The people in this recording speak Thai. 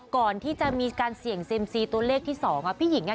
ก่อนที่จะมีการเสี่ยงเซ็มซีตัวเลขที่สองอ่ะพี่หญิงอ่ะ